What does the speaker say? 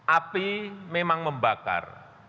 api memang membakar